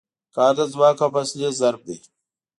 کار د ځواک او فاصلې ضرب دی.